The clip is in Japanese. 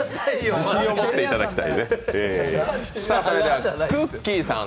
自信を持っていただきたい。